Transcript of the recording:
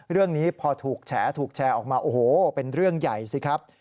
เรื่องนี้พอถูกแชร่ออกมาเป็นเรื่องใหญ่สิครับ